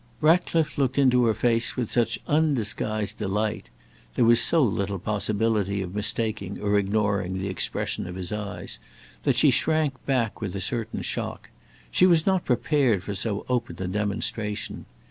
Ratcliffe looked into her face with such undisguised delight there was so little possibility of mistaking or ignoring the expression of his eyes, that she shrank back with a certain shock. She was not prepared for so open a demonstration.